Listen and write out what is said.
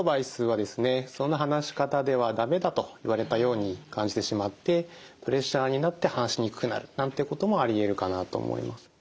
「その話し方では駄目だ」と言われたように感じてしまってプレッシャーになって話しにくくなるなんてこともありえるかなと思います。